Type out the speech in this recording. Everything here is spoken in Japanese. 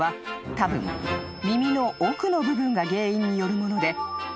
たぶん耳の奥の部分が原因によるもので］